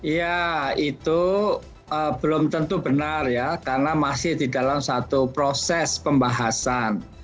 ya itu belum tentu benar ya karena masih di dalam satu proses pembahasan